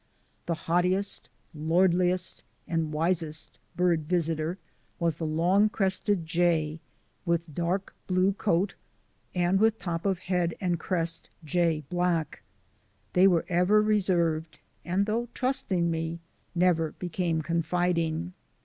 The haughtiest, lordliest, and wisest bird visitor was the long crested jay, with dark blue coat and with top of head and crest jet black. They were ever reserved, and though trusting me, never be came confiding.